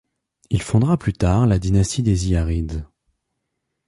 Il fondera plus tard la dynastie des Ziyarides.